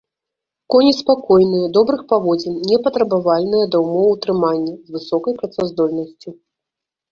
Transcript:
Коні спакойныя, добрых паводзін, непатрабавальныя да ўмоў утрымання, з высокай працаздольнасцю.